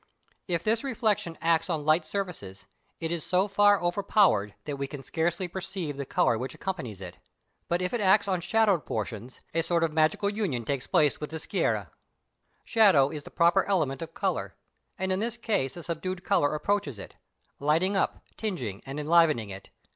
If this reflection acts on light surfaces, it is so far overpowered that we can scarcely perceive the colour which accompanies it; but if it acts on shadowed portions, a sort of magical union takes place with the σκιερῷ. Shadow is the proper element of colour, and in this case a subdued colour approaches it, lighting up, tinging, and enlivening it.